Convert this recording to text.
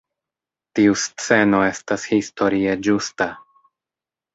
Tiu sceno estas historie ĝusta.